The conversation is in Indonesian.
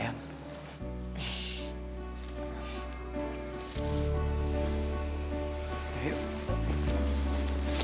jangan kemana mana aku mau